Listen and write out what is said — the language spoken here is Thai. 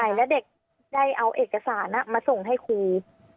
แล้วเด็กได้เอาเอกสารมาส่งให้ครู